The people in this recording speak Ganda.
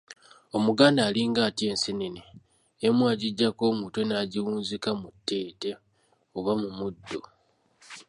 Omuganda alinga atya enseenene? emu agiggyako omutwe n’agiwunzika mu tteete oba mu muddo.